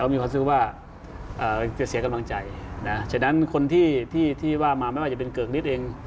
มีความรู้สึกว่าจะเสียกำลังใจนะฉะนั้นคนที่ว่ามาไม่ว่าจะเป็นเกิกนิดเอง